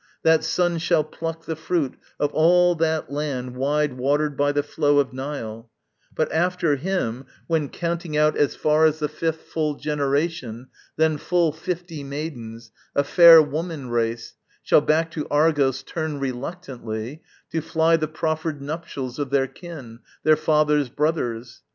That son shall pluck the fruit Of all that land wide watered by the flow Of Nile; but after him, when counting out As far as the fifth full generation, then Full fifty maidens, a fair woman race, Shall back to Argos turn reluctantly, To fly the proffered nuptials of their kin, Their father's brothers.